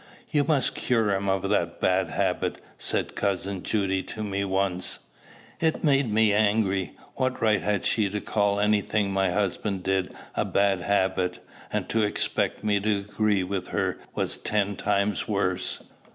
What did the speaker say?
"You must cure him of that bad habit," said cousin Judy to me once. It made me angry. What right had she to call any thing my husband did a bad habit? and to expect me to agree with her was ten times worse.